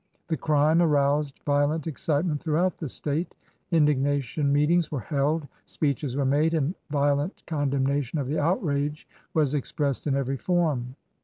The crime aroused violent excitement through out the State. Indignation meetings were held, 141 LINCOLN THE LAWYER speeches were made, and violent condemnation of the outrage was expressed in every form.